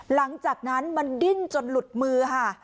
หลังจากนั้นมันดิ้นจนหลุดมือค่ะ